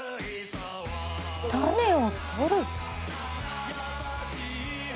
種を取る？